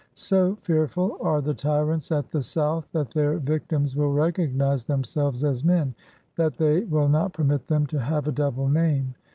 So fearful are the tyrants at the South that their victims will recognise themselves as men, that they •will not permit them to have a double name.